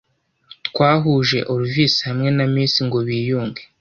twahuje olvis hamwe na miss ngo biyunge